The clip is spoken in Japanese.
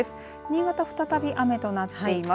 新潟、再び雨となっています。